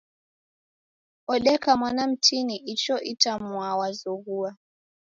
Odeka mwana mtini ichoo itwamwaa w'azoghoua